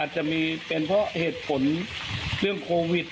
จะมีเป็นเพราะเหตุผลเรื่องโควิด